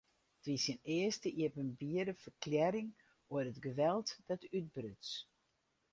It wie syn earste iepenbiere ferklearring oer it geweld dat útbruts.